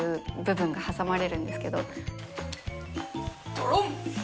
ドロン！